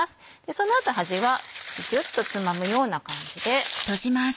その後端はギュっとつまむような感じで。